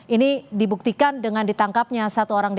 ini dibuktikan dengan ditangkapnya satu orang